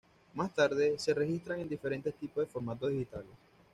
Más tarde, se registran en diferentes tipos de formatos digitales.